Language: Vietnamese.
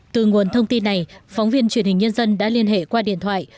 từ nguồn thông tin này phóng viên truyền hình nhân dân đã liên hệ qua điện thoại